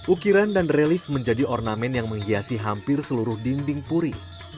ukiran dan relief menjadi ornamen yang menghiasi hampir seluruh dinding puri